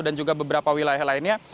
dan juga beberapa wilayah lainnya